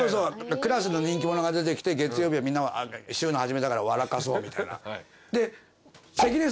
クラスの人気者が出てきて月曜日はみんな週の初めだから笑かそうみたいな。